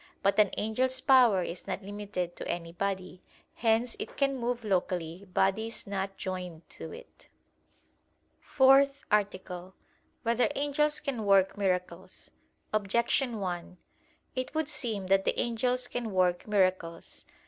But an angel's power is not limited to any body; hence it can move locally bodies not joined to it. _______________________ FOURTH ARTICLE [I, Q. 110, Art. 4] Whether Angels Can Work Miracles? Objection 1: It would seem that the angels can work miracles.